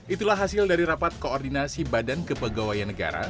itulah hasil dari rapat koordinasi badan kepegawaian negara